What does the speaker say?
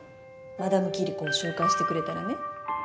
マダムキリコを紹介してくれたらね